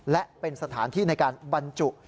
และเป็นสถานที่ในการบรรจุ